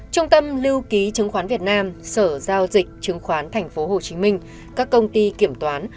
trung tâm lưu ký chứng khoán việt nam sở giao dịch chứng khoán tp hcm các công ty kiểm toán